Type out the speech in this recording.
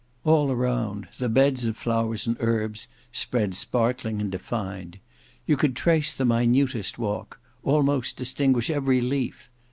All around the beds of flowers and herbs spread sparkling and defined. You could trace the minutest walk; almost distinguish every leaf.